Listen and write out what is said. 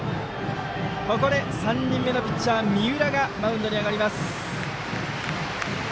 ここで、３人目のピッチャー三浦がマウンドに上がります。